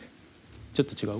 ちょっと違う？